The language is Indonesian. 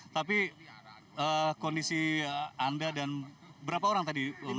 tapi kondisi anda dan berapa orang tadi